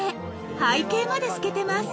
［背景まで透けてます］